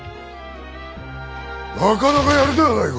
なかなかやるではないか！